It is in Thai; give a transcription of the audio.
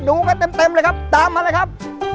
กันเต็มเลยครับตามมาเลยครับ